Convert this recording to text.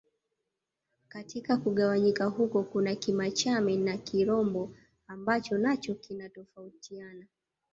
Katika kugawanyika huko kuna Kimachame na Kirombo ambacho nacho kinatofautiana